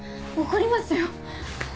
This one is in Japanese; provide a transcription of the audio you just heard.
怒りますよ。